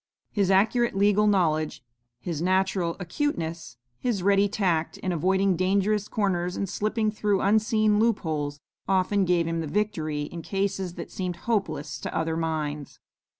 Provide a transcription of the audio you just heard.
His accurate legal knowledge, his natural acuteness, his ready tact in avoiding dangerous corners and slipping through unseen loop holes, often gave him the victory in cases that seemed hopeless to other minds.